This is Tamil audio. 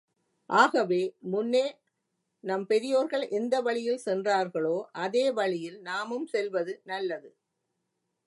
ஆகவே, முன்னே நம் பெரியோர்கள் எந்த வழியில் சென்றார்களோ அதே வழியில் நாமும் செல்வது நல்லது.